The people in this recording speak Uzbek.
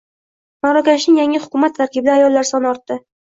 Marokashning yangi hukumat tarkibida ayollar soni ortdi